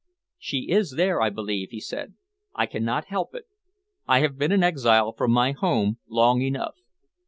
"She is there, I believe," he said. "I cannot help it. I have been an exile from my home long enough."